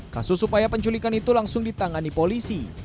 kasus upaya penculikan itu langsung ditangani polisi